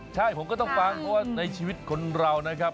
ใช่ผมก็ต้องฟังเพราะว่าในชีวิตคนเรานะครับ